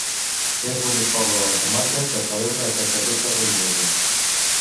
És l'únic poble de la comarca que celebra aquesta festa religiosa.